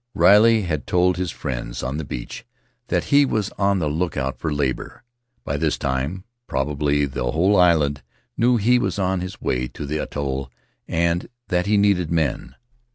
Riley had told his friends on the beach that he was on the lookout for labor; by this time, probably, the whole island knew he was on his way to the atoll and that he needed men.